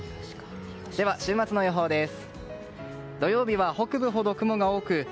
では、週末の予報です。